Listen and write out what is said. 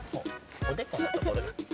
おでこのところ。